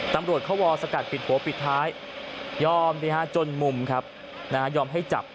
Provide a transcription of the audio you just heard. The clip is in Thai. ตำรวจเขาวอสกัดปิดหัวปิดท้ายยอมจนมุมครับยอมให้จับ